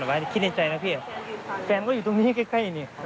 ไหมไม่คิดในใจนะพี่แฟนก็อยู่ตรงนี้ใกล้ใกล้นี่